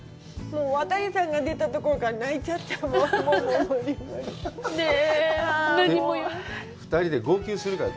渡さんが出たところから泣いちゃった。ねぇ？